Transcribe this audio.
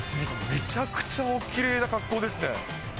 めちゃくちゃおきれいな格好ですね。